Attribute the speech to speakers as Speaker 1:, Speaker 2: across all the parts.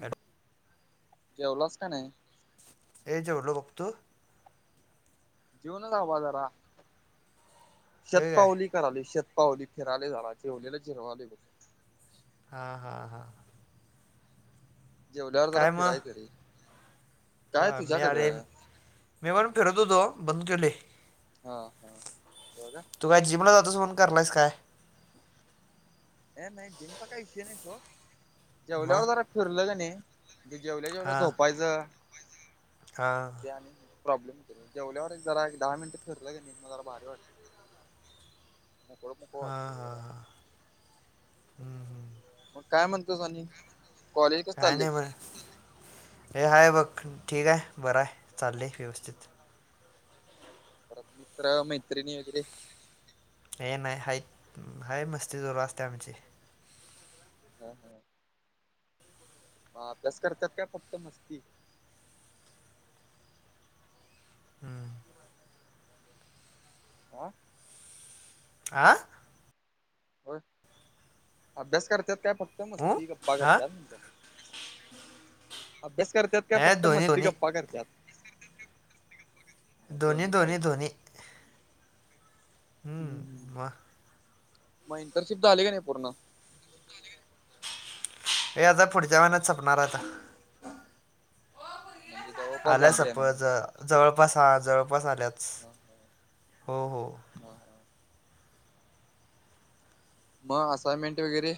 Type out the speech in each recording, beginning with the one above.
Speaker 1: Hello.
Speaker 2: जेवलास का? नाही.
Speaker 1: ए जेवलो बघ तू.
Speaker 2: जेवनूच हवा जरा
Speaker 1: होय काय
Speaker 2: शतपावली. कराले शेतपावली फिराले. झाला जिेवलेला जिरवालोय बघ
Speaker 1: हा हां हां.
Speaker 2: जेवल्यावर जरा फिरायचं रे
Speaker 1: हां
Speaker 2: काय
Speaker 1: मी अरे
Speaker 2: तुझ्याकडं
Speaker 1: मी पण फिरत होतो. बंद.
Speaker 2: हा हा जेवलात
Speaker 1: तू काय जिमला जातोस म्हणून करलायस काय?
Speaker 2: ह नाही जिमचा काही विषय नाही सोड
Speaker 1: मग
Speaker 2: जेवल्यावर जरा फिरलं का नाही. ते जेवलं जेवलं झोपायचं
Speaker 1: हा
Speaker 2: आणि प्रॉब्लेम के [unintelligible] जेवल्यावर एक जरा एक दहा मिनट फिरलं ग नाही मग जरा भारी वाटत नाही कोप [unintelligible]
Speaker 1: हां हां हां [unintelligible]
Speaker 2: मग काय म्हणतो आणि कॉलेज कसं
Speaker 1: काय
Speaker 2: चाललंय
Speaker 1: नाही बर [unintelligible] हे हाय बघ ठीक आहे बरं आहे चाललं व्यवस्थित
Speaker 2: परत मित्र मैत्रिणी वगैरे.
Speaker 1: हे नाही हाय हाय मस्ती दररोज असते. आमची
Speaker 2: हा हा [unintelligible] म [unintelligible] अभ्यास करतात का फक्त मस्ती
Speaker 1: हम्म
Speaker 2: हां
Speaker 1: आ
Speaker 2: होय [unintelligible] अभ्यास करतात काय फक्त
Speaker 1: ऊ
Speaker 2: मस्ती, गप्पा
Speaker 1: हा
Speaker 2: करतात अभ्यास करतात का
Speaker 1: हे
Speaker 2: फक्त
Speaker 1: धोनी
Speaker 2: मस्ती
Speaker 1: धोनी
Speaker 2: गप्पा करतात
Speaker 1: दोन्ही दोन्ही दोन्ही
Speaker 2: ह्म
Speaker 1: हम्म, मग
Speaker 2: मग इंटर्नशिप झाली का नाही पूर्ण
Speaker 1: हे आता पुढच्या महिन्यात सपणार आता
Speaker 2: म्हणजे [unintelligible]
Speaker 1: आल्या
Speaker 2: झाली आहे
Speaker 1: सपोज
Speaker 2: म्हणायच
Speaker 1: [unintelligible] जवळपास हा जवळपास आल्यात
Speaker 2: ह ह हां ह [unintelligible] मग असाइनमेंट वगैरे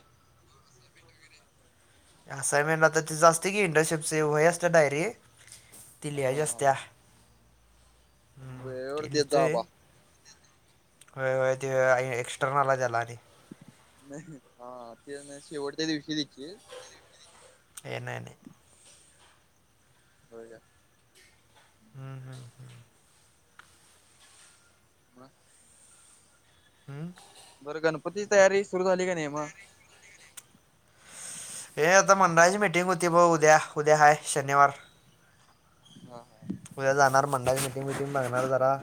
Speaker 1: असइनमेंट ला तिथं असते की इंटर्नशिप वही असत डायरी ति
Speaker 2: हा
Speaker 1: लिहायची असते
Speaker 2: हा वेळेवर
Speaker 1: क
Speaker 2: देत
Speaker 1: लच
Speaker 2: जा बा
Speaker 1: [unintelligible] व व [unintelligible] एक्स्टर्नला त्याला आधी
Speaker 2: नाही हा ते शेवटच्या दिवशी देशील
Speaker 1: येनने [unintelligible]
Speaker 2: होय काय
Speaker 1: हा हा [unintelligible]
Speaker 2: म
Speaker 1: हम्म
Speaker 2: बरं गणपतीची तयारी सुरू झाली का नाही मग?
Speaker 1: ये आता मंडळाची मीटिंग होती बघ. उद्या उद्या हाय शनिवार.
Speaker 2: हा हा
Speaker 1: उद्या जाणार मंडळाची मिटिंग मिटिंग बगणार जरा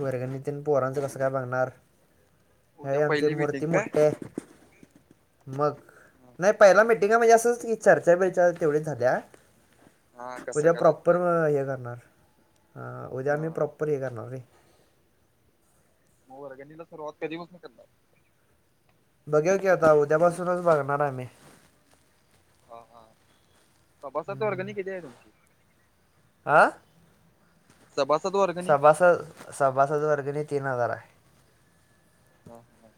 Speaker 1: वर्गणी तेण
Speaker 2: हा
Speaker 1: पोराचं
Speaker 2: हा.
Speaker 1: कसं काय बघणार.
Speaker 2: उद्या
Speaker 1: हेय आमची
Speaker 2: पहिली मिटिंग
Speaker 1: मूर्ती
Speaker 2: काय
Speaker 1: मोठी आहं. मग
Speaker 2: हा
Speaker 1: नाही
Speaker 2: हा.
Speaker 1: पहिला मिटिंग आहे [inaudible] म्हणजे असंच की चर्चा बिरच्या तेवढीचं झालीया.
Speaker 2: हा कसं
Speaker 1: उद्या
Speaker 2: करायचं
Speaker 1: प्रॉपर
Speaker 2: काय
Speaker 1: हे
Speaker 2: करायचं
Speaker 1: करणार. अ उद्या आम्ही
Speaker 2: हा
Speaker 1: प्रॉपर हे करणार रे.
Speaker 2: वर्गणीला सुरुवात कधी पासनं करणार?
Speaker 1: बघूया की आता उद्यापासूनच बघणार हाय आम्ही.
Speaker 2: हा हा सभासद वर्गणी किती आहे तुमची?
Speaker 1: आं
Speaker 2: सभासद वर्ग
Speaker 1: सभास सभासद वर्गणी तीन हजार हाय.
Speaker 2: हां हां हां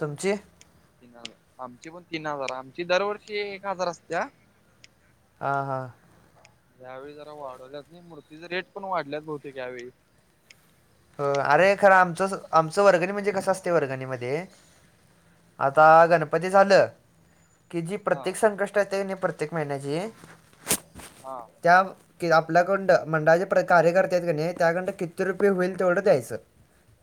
Speaker 1: तुमची?
Speaker 2: तीन हजार आमची पण तीन हजार आमची दरवर्षी एक हजार असत्या.
Speaker 1: हा हा
Speaker 2: ह्यावेळी जरा वाढवल्यात नही मूर्तीचं रेट पण वाढल्यात बहुतेक ह्यावेळी
Speaker 1: अरे खरं आमचं आमचं वर्गणी म्हणजे कसं असतय वर्गणीमध्ये आता
Speaker 2: हा
Speaker 1: गणपती झालं कि जी
Speaker 2: हा
Speaker 1: प्रत्येक संकष्टी येत्या कणी प्रत्येक महिन्याची
Speaker 2: हां
Speaker 1: त्या क आपल्याकंडं मंडळाचे प्र कार्यकर्ते आहेत कनी त्याकडं किती रुपये होईल तेवढं द्यायच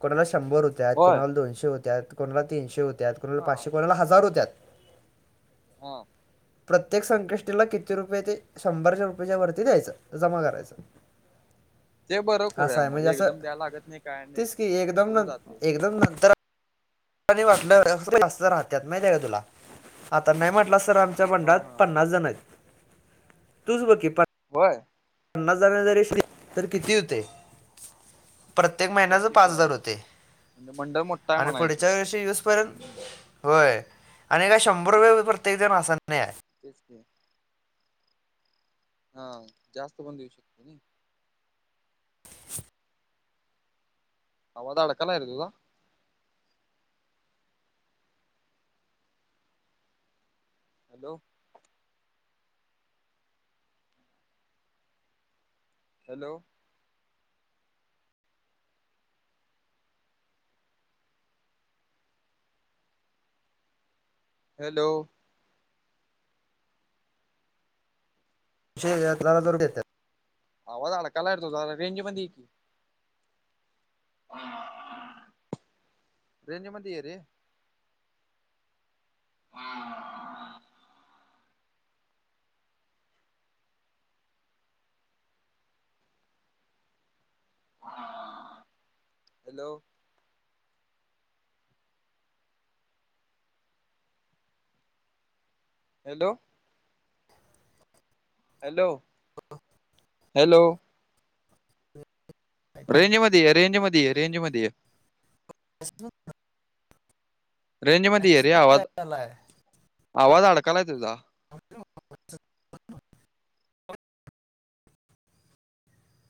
Speaker 1: कोणाला शंभर होत्यात,
Speaker 2: होय
Speaker 1: कोणाला दोनशे होत्यात, कोणाला तीनशे होत्यात कुणाला
Speaker 2: हा
Speaker 1: पाचशे कोणाला हजार होत्यात.
Speaker 2: हा
Speaker 1: प्रत्येक संकष्टीला किती रुपये ते शंभर रुपया च्या वरती द्यायचं जमा करायचं.
Speaker 2: ते बरं
Speaker 1: असं
Speaker 2: खुळ्या
Speaker 1: आहे
Speaker 2: मग
Speaker 1: म्हणजे असं
Speaker 2: एकदम द्याय लागत नाही. काय नाही
Speaker 1: तेच की एकदम
Speaker 2: होऊन
Speaker 1: न
Speaker 2: जाते
Speaker 1: एकदम न वाटलं [unintelligible] राहत्यात माहित आहे का तुला. आता नाही म्हटलास तर आमच्या
Speaker 2: हा
Speaker 1: मंडळात
Speaker 2: हा
Speaker 1: पन्नास जण आहेत तूच बघ की प
Speaker 2: होय
Speaker 1: पन्नास जणानी जरी दिलंय तर किती होतंय? प्रत्येक
Speaker 2: बघ
Speaker 1: महिन्याचं
Speaker 2: की
Speaker 1: पाच
Speaker 2: खुळ्या
Speaker 1: हजार होतंय.
Speaker 2: म्हणजे मंडळ मोठा आहे
Speaker 1: आणि
Speaker 2: म्हणायच
Speaker 1: पुढच्या वर्षी युसपर्यंत
Speaker 2: हम्म
Speaker 1: होय आणि काय शंभर रुपये प्रत्येक जण अस नाही हाय.
Speaker 2: तेच की हां जास्त पण देऊ शकतोय नही आवाज अडकालायं रे तूझा हॅलो हॅलो हॅलो
Speaker 1: छे [inaudible] देत्यात
Speaker 2: आवाज अडकालाय रे तूझा रेंज मध्ये ये की. रेंज मध्ये ये रे [inaudible] hello hello hello hello range मध्ये ये रेंज मध्ये ये रेंज य
Speaker 1: [unintelligible]
Speaker 2: रेंज मध्ये ये आहे रे आवाज आवाज अडकालाय तुझा
Speaker 1: [inaudible]